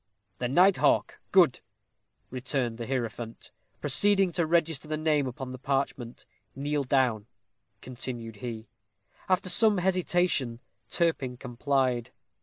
"The Night Hawk good," returned the hierophant, proceeding to register the name upon the parchment. "Kneel down," continued he. After some hesitation, Turpin complied.